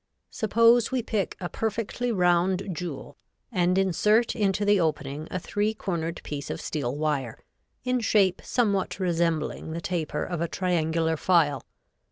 Suppose we pick a perfectly round jewel and insert into the opening a three cornered piece of steel wire, in shape somewhat resembling the taper of a triangular file.